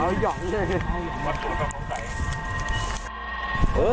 วัดสูงทางของใจ